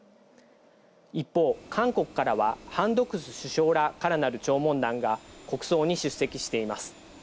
一方、韓国からはハン・ドクス首相らからなる弔問団が国葬に出席しています。